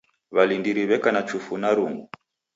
W'alindiri w'eka na chufu na rungu.